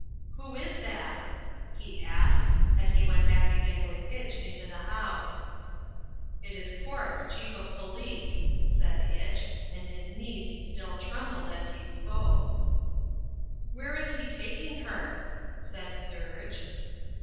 "Who is that?" he asked, as he went back again with Itch into the house. "It is Kwartz, chief of police," said Itch, and his knees still trembled as he spoke. "Where is he taking her?" said Serge.